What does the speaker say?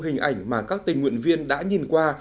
hình ảnh mà các tình nguyện viên đã nhìn qua